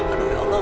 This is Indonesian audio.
aduh ya allah